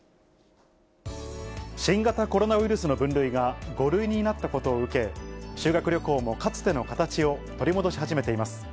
新型コロナウイルスの分類が５類になったことを受け、修学旅行もかつての形を取り戻し始めています。